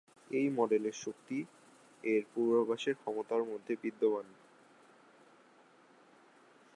এই মডেলের শক্তি, এর পূর্বাভাসের ক্ষমতার মধ্যে বিদ্যমান।